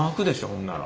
ほんなら。